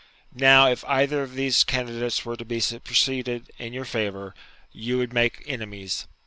Now, if either of these candidates were to be superseded in your favour, you would make enemies.